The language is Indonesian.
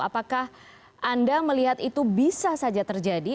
apakah anda melihat itu bisa saja terjadi